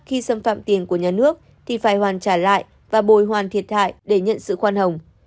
khi xâm phạm tiền của nhà nước thì phải hoàn trả lại và bồi hoàn thiệt hại để nhận sự khoan hồng